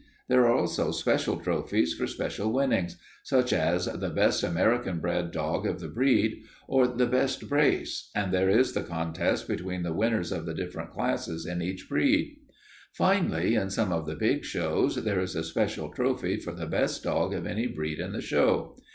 There are also special trophies for special winnings, such as the best American bred dog of the breed, or the best brace, and there is the contest between the winners of the different classes in each breed. Finally, in some of the big shows, there is a special trophy for the best dog of any breed in the show.